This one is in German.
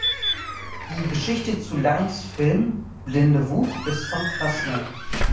Die Geschichte zu Langs Film "Blinde Wut" ist von Krasna.